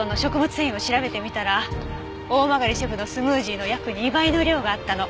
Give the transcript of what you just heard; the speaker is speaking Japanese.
繊維を調べてみたら大曲シェフのスムージーの約２倍の量があったの。